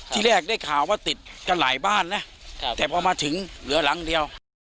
ที่แรกได้ข่าวว่าติดกันหลายบ้านนะแต่พอมาถึงเหลือหลังเดียว